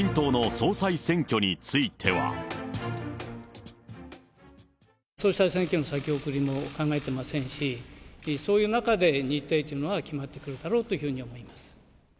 総裁選挙の先送りも考えていませんし、そういう中で日程というものは決まってくるだろうというふうには思います。